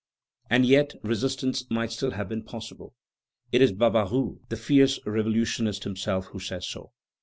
And yet resistance might still have been possible. It is Barbaroux, the fierce revolutionist himself, who says so.